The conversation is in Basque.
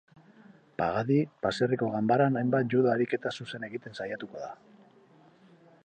Pagadi, baserriko ganbaran hainbat judo ariketa zuzen egiten saiatuko da.